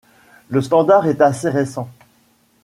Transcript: Le standard est assez récent.